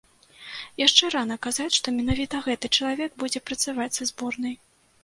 Яшчэ рана казаць, што менавіта гэты чалавек будзе працаваць са зборнай.